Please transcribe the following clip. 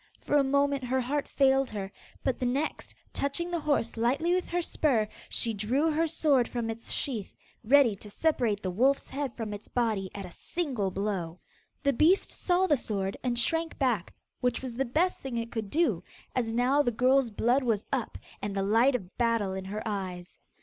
For a moment her heart failed her, but the next, touching the horse lightly with her spur, she drew her sword from its sheath, ready to separate the wolf's head from its body at a single blow. The beast saw the sword, and shrank back, which was the best thing it could do, as now the girl's blood was up, and the light of battle in her eyes.